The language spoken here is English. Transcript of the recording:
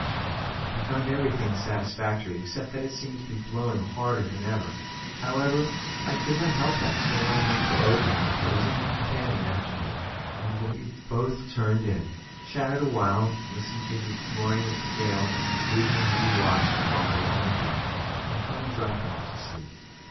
I found everything satisfactory, except that it seemed to be blowing harder than ever; however, I could not help that, so I went below again, closing the companion after me, and we both turned in, chatted awhile, listened to the roaring of the gale and the occasional heavy wash of water along the deck, and finally dropped off to sleep.